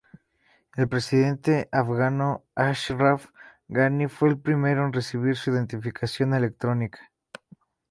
El presidente afgano Ashraf Ghani fue el primero en recibir su identificación electrónica.